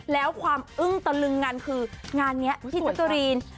แล้วความรึงตะลึงคืองานนี้ที่จัฐรีน